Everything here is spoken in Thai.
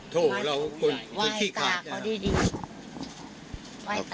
โถ่เราคนคี่ขาด